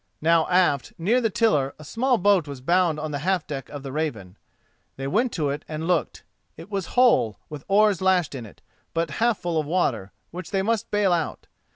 Now aft, near the tiller, a small boat was bound on the half deck of the Raven. They went to it and looked; it was whole, with oars lashed in it, but half full of water, which they must bail out.